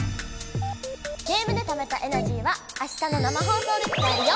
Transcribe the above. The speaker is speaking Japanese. ゲームでためたエナジーはあしたの生放送で使えるよ！